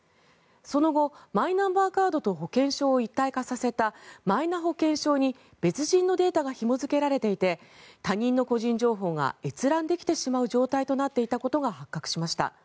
その後、マイナンバーカードと保険証を一体化させたマイナ保険証に別人のデータがひも付けられていて他人の個人情報が閲覧できてしまう状態となっていたことが発覚しました。